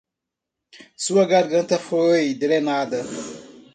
Sua garganta foi drenada.